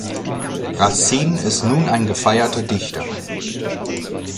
Racine ist nun ein gefeierter Dichter.